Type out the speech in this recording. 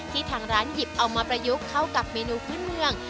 ทางร้านหยิบเอามาประยุกต์เข้ากับเมนูพื้นเมือง